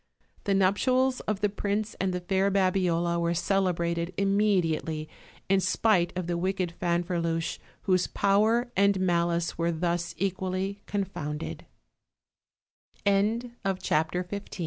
The nuptials of the prince and the fair Babi ola were celebrated immediately, in spite of the wicked Fanferluche, whose power and malice were thus equally confo